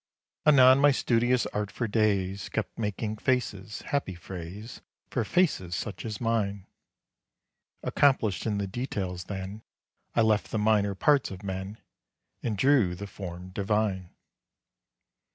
Anon my studious art for days Kept making faces happy phrase, For faces such as mine! Accomplished in the details then, I left the minor parts of men, And drew the form divine.